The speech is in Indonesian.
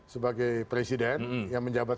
sebagai presiden yang menjabat